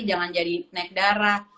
jangan jadi naik darah